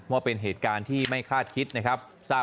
ว่าเป็นเหตุการณ์ที่ไม่คาดคิดนะครับ